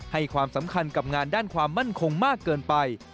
ให้ความสำคัญกับงานด้านความมั่นคงมากเกินไป